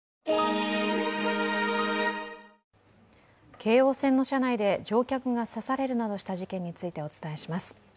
京王線の車内で乗客が刺されるなどした事件についてお伝えします。